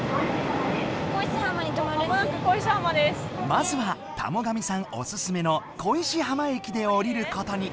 まずは田母神さんおすすめの恋し浜駅でおりることに。